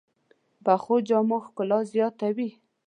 پخو جامو ښکلا زیاته وي